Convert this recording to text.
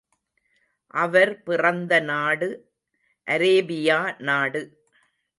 அவர் பிறந்த நாடு அரேபியா நாடு.